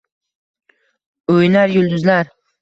O’ynar yulduzlar.